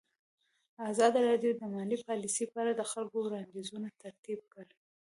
ازادي راډیو د مالي پالیسي په اړه د خلکو وړاندیزونه ترتیب کړي.